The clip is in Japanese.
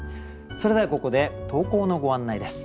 それではここで投稿のご案内です。